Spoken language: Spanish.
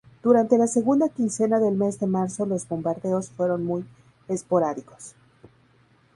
Durante la segunda quincena del mes de marzo los bombardeos fueron muy esporádicos.